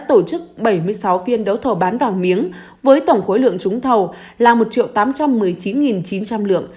tổ chức bảy mươi sáu phiên đấu thầu bán vàng miếng với tổng khối lượng trúng thầu là một tám trăm một mươi chín chín trăm linh lượng